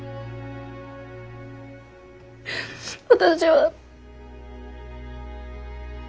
私は。